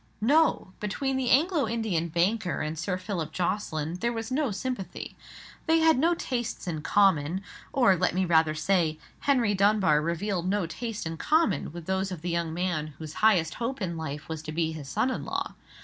No! between the Anglo Indian banker and Sir Philip Jocelyn there was no sympathy. They had no tastes in common: or let me rather say, Henry Dunbar revealed no taste in common with those of the young man whose highest hope in life was to be his son in law.